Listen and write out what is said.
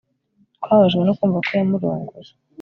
Twababajwe no kumva ko yamurongoye